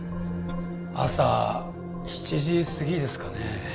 朝７時すぎですかね